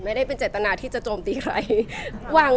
ไม่ได้เป็นเจตนาที่จะโจมตีใคร